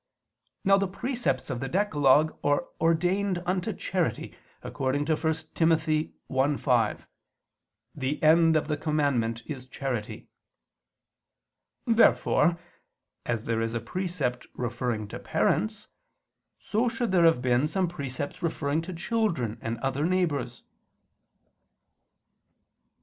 Now the precepts of the decalogue are ordained unto charity, according to 1 Tim. 1:5: "The end of the commandment is charity." Therefore as there is a precept referring to parents, so should there have been some precepts referring to children and other neighbors.